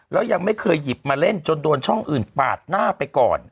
แล้วยังไม่เคยหยิบมาเล่นจนโดนช่องอื่นปาดหน้าไปก่อน